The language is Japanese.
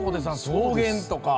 草原とか。